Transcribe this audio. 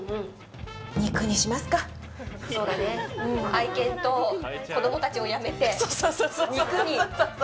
愛犬と子供たちをやめて肉に。